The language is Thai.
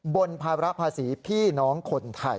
ภาระภาษีพี่น้องคนไทย